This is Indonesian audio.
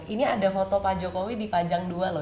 ini ada foto pak jokowi di pajang dua loh